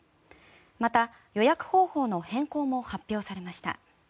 また、予約方法の変更も発表されました。